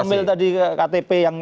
itu tadi soal